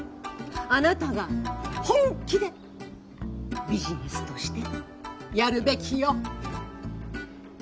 あなたが本気でビジネスとしてやるべきよ。